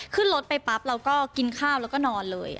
ขึ้นรถไปปั๊บเราก็กินข้าวแล้วก็นอนเลย